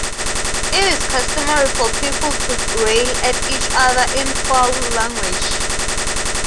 It is customary for people to rail at each other in foul language.